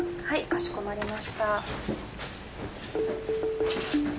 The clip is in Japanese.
はいかしこまりました。